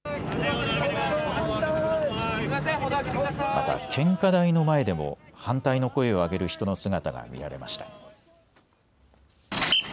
また献花台の前でも反対の声を上げる人の姿が見られました。